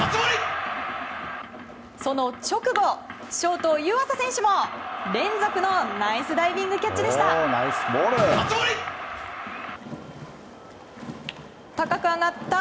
その直後、ショートの湯浅選手も連続のナイスダイビングキャッチでした。